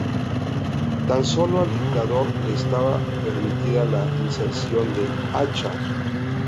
Tan sólo al dictador le estaba permitida la inserción del hacha.